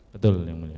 betul yang mulia